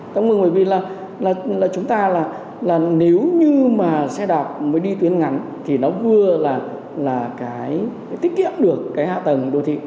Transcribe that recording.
tạm mừng bởi vì là chúng ta là nếu như mà xe đạp mới đi tuyến ngắn thì nó vừa là cái tiết kiệm được cái hạ tầng đô thị